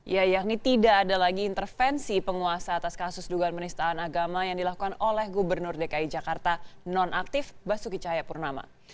ya yakni tidak ada lagi intervensi penguasa atas kasus dugaan menisahkan agama yang dilakukan oleh gubernur dki jakarta non aktif basuki cahaya purnama